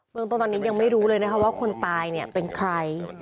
เมืองตอนนี้ยังไม่รู้เลยว่าคนตายเป็นใคร